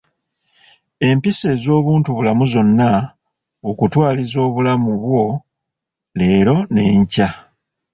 Empisa ez'obuntubulamu zonna okutwaliza obulamu bwo leero n'enkya.